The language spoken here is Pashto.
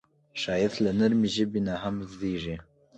ښایست له نرمې ژبې نه هم زېږي